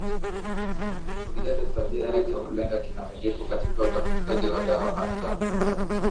kulevya tabia yake hulenga kikamilifu katika utafutaji wa dawa hata